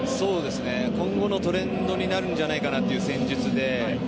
今後のトレンドになるんじゃないかという戦術で。